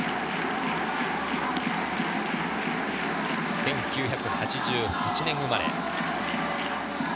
１９８８年生まれ。